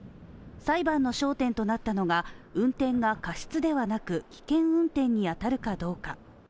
裁判の焦点となったのが運転が過失ではなく危険運転に当たるかどうか。